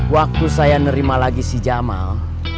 waktu saya nerima lagi si jamal